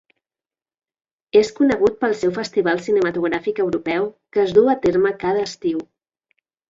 És conegut pel seu festival cinematogràfic europeu que es du a terme cada estiu.